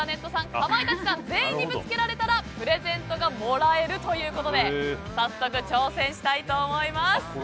かまいたちさん全員にぶつけられたらプレゼントがもらえるということで早速、挑戦したいと思います。